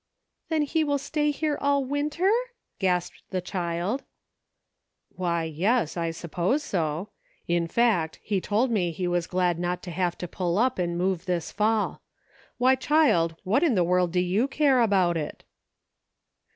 "Then he will stay here all winter!" gasped the child. " Why, yes, I suppose so ; in fact, he told me he was glad not to have to pull up and move this fall. Why, child, what in the world do you care about it